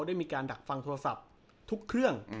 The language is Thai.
ได้มีการดักฟังโทรศัพท์ทุกเครื่อง